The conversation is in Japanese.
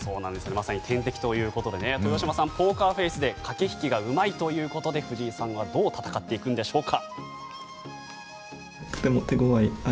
まさに天敵ということで豊島さん、ポーカーフェースで駆け引きがうまいということで藤井さんはどう戦うんでしょうか。